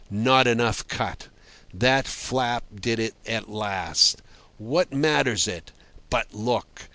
Not enough cut. That flap did it at last. What matters it? But look!